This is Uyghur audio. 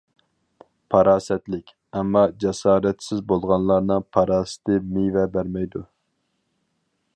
پاراسەتلىك، ئەمما جاسارەتسىز بولغانلارنىڭ پاراسىتى مېۋە بەرمەيدۇ.